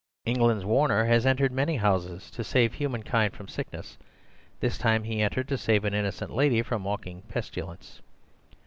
England's Warner has entered many houses to save human kind from sickness; this time he entered to save an innocent lady from a walking pestilence.